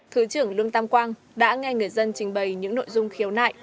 thứ trưởng lương tam quang đã nghe người dân trình bày những nội dung khiếu nại